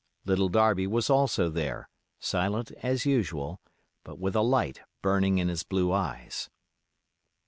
Little Darby was also there, silent as usual, but with a light burning in his blue eyes.